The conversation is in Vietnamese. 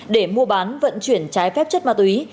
để mua bán vận chuyển trái phép chất ma túy